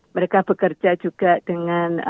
mereka bekerja juga dengan